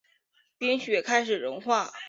冰雪开始融化